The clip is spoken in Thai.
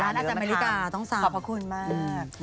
ร้านอาจารย์อเมริกาต้องสั่งขอบคุณมาก